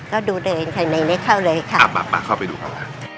ก็ดูในในนี้เข้าเลยค่ะอ่ามามาเข้าไปดูกันล่ะ